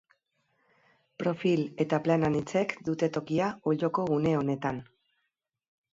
Profil eta plan anitzek dute tokia Olloko gune honetan.